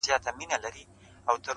ولي مي هره شېبه، هر ساعت په غم نیسې.